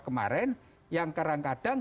kemarin yang kadang kadang